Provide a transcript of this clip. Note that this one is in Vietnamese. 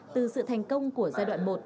từ sự thành công của giai đoạn một